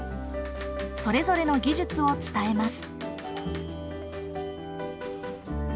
それぞれの技術を伝えます。